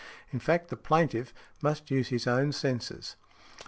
In fact the plaintiff must use his own senses .